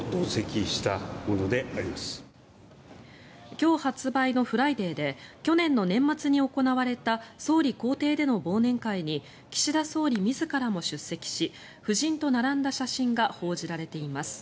今日発売の「ＦＲＩＤＡＹ」で去年の年末に行われた総理公邸での忘年会に岸田総理自らも出席し夫人と並んだ写真が報じられています。